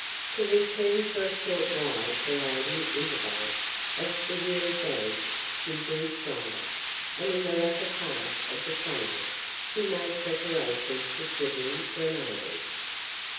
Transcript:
To return for a short while to Lady Isabel. As the year advanced she grew stronger, and in the latter part of the summer she made preparations for quitting Grenoble.